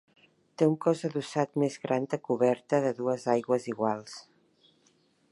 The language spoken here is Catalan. Té un cos adossat més gran de coberta de dues aigües iguals.